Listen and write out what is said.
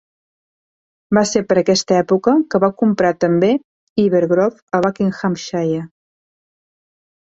Va ser per aquesta època que va comprar també Iver Grove a Buckinghamshire.